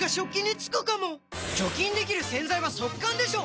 除菌できる洗剤は速乾でしょ！